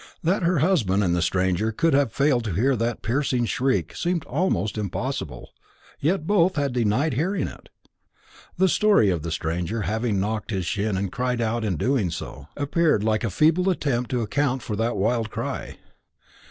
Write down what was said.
That her husband and the stranger could have failed to hear that piercing shriek seemed almost impossible: yet both had denied hearing it. The story of the stranger having knocked his shin and cried out on doing so, appeared like a feeble attempt to account for that wild cry.